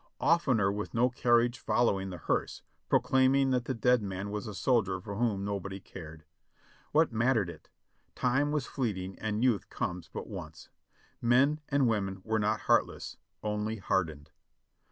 Oftener with no carriage following the hearse, proclaiming that the dead man was a soldier for whom nobody cared. What mattered it? Time was fleeting and youth comes but once ! Men and women were not heartless, only hardened.